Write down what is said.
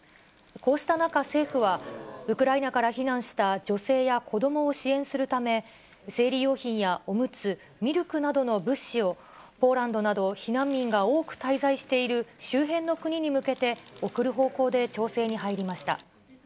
こうした中、政府は、ウクライナから避難した女性や子どもを支援するため、生理用品やおむつ、ミルクなどの物資を、ポーランドなど避難民が多く滞在している周辺の国に向けて送る方向で調整に入りました。